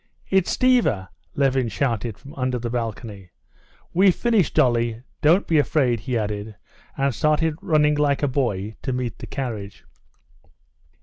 "It's Stiva!" Levin shouted from under the balcony. "We've finished, Dolly, don't be afraid!" he added, and started running like a boy to meet the carriage.